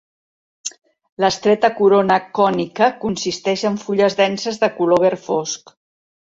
L'estreta corona cònica consisteix en fulles denses de color verd fosc.